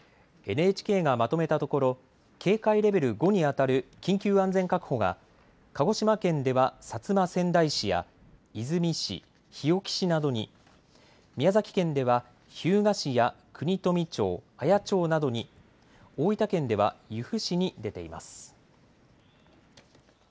ＮＨＫがまとめたところ警戒レベル５にあたる緊急安全確保が鹿児島県では薩摩川内市や出水市、日置市などに、宮崎県では日向市や国富町、綾町などに大分県では由布市に出ています。